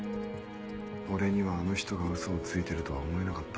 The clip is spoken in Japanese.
俺にはあの人がウソをついてるとは思えなかった。